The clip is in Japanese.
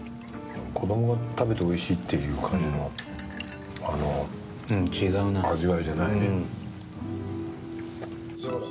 子供が食べておいしいっていう感じの味わいじゃないね。